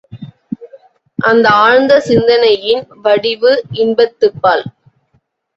அந்த ஆழ்ந்த சிந்தனையின் வடிவு, இன்பத்துப்பால்.